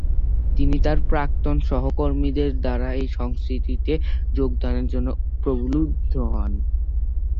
তিনি তার প্রাক্তন সহকর্মীদের দ্বারা এই সংস্কৃতিতে যোগদানের জন্য প্রলুব্ধ হন।